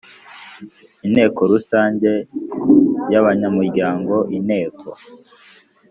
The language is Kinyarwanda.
Inteko rusange y abanyamuryango Inteko